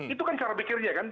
itu kan cara pikirnya kan